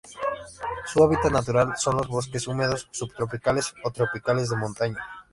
Su hábitat natural son los bosques húmedos subtropicales o tropicales de montaña.